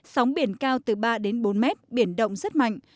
sóng biển cao từ ba đến bốn mét biển động rất mạnh